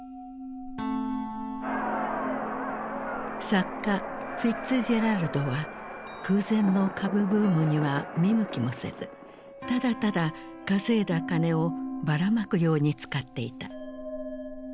作家フィッツジェラルドは空前の株ブームには見向きもせずただただ稼いだ金をばらまくように使っていた。